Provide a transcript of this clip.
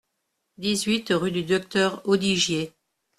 dix-huit rue du Docteur Audigier